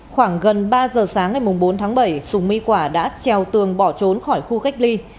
khoảng gần ba giờ sáng ngày bốn tháng bảy sùng my quả đã trèo tường bỏ trốn khỏi khu cách ly